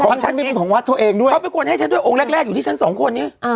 เพราะฉันไม่เป็นของวัดตัวเองด้วยเขาไม่ควรให้ฉันด้วยองค์แรกแรกอยู่ที่ฉันสองคนนี้